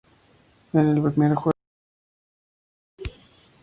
En el primer juego.